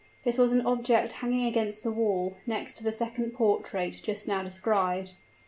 This was an object hanging against the wall, next to the second portrait just now described.